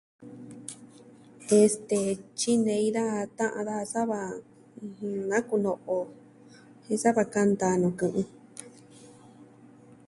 Este, tyinei da ta'an daja sava, ɨjɨn, nakuno'o. jen sava kanta nuu kɨ'ɨn.